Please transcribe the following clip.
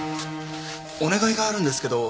お願いがあるんですけど。